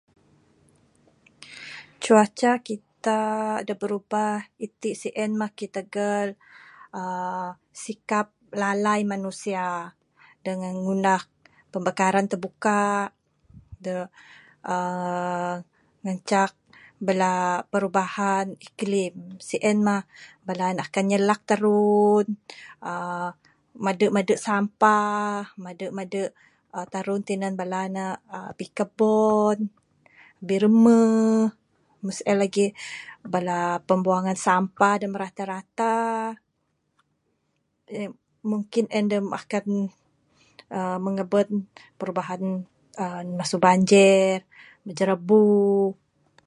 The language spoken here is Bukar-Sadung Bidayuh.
Cuaca kita dak birubah iti sien mah sitegal uhh sikap lalai manusia, dengan ngundah kebakaran tebuka dak uhh ngancak bala perubahan iklam sien mah bala ne akan nyalak terun uhh mede mede sampah, mede mede terun tinan bala ne uhh bikebon, birumeh, mung sien legi bala pembungan sampah dak merata-rata mungkin en dak akan uhh ngeban perubahan uhh mesu banjir, jerebu.